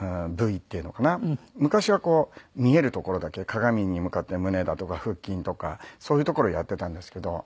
昔はこう見える所だけ鏡に向かって胸だとか腹筋とかそういう所をやっていたんですけど。